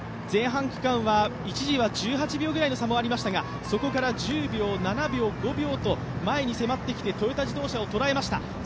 前半区間は一時は１８秒ぐらいの差もありましたがそこから１０秒、７秒、５秒と前に迫ってきましてトヨタ自動車を捉えました。